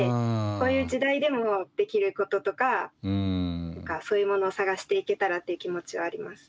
こういう時代でもできることとかそういうものを探していけたらっていう気持ちはあります。